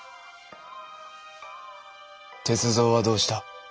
鉄三はどうした？